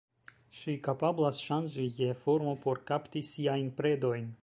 Ŝi kapablas ŝanĝi je formo por kapti siajn predojn.